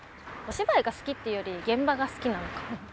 お芝居が好きっていうより現場が好きなのかも。